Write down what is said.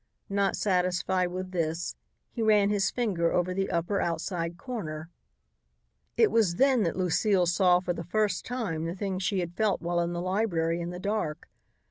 Not satisfied with this, he ran his finger over the upper, outside corner. It was then that Lucile saw for the first time the thing she had felt while in the library in the dark.